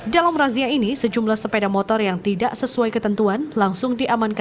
dalam razia ini sejumlah sepeda motor yang digunakan untuk perayaan tahun baru